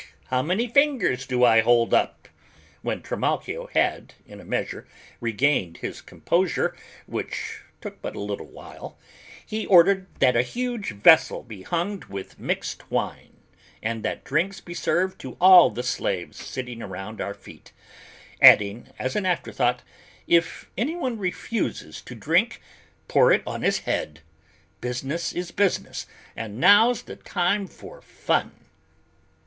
How many fingers do I hold up!" When Trimalchio had, in a measure, regained his composure, which took but a little while, he ordered that a huge vessel be filled with mixed wine, and that drinks be served to all the slaves sitting around our feet, adding as an afterthought, "If anyone refuses to drink, pour it on his head: business is business, but now's the time for fun."